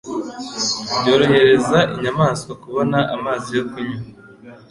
byorohereza inyamaswa kubona amazi yo kunywa.